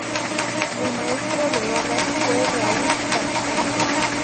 El maestro de obras fue Raúl Cascante.